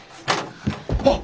あっ！